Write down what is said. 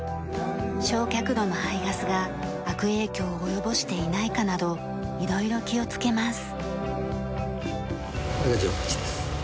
焼却炉の排ガスが悪影響を及ぼしていないかなど色々気をつけます。